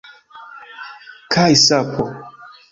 Kaj sapo!